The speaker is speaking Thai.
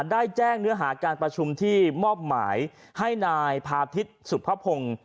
ได้แจ้งเนื้อหาการประชุมที่มอบหมายให้นายพาทิศสุภพงศ์